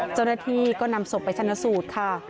เจ้าหน้าที่ก็นำศพไปชนะสูตรค่ะ